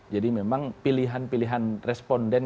jadi memang pilihan pilihan responden